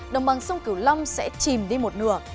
đồng bằng sông cửu long sẽ chìm đi một nửa